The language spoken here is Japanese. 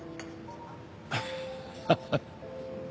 ハハハッ。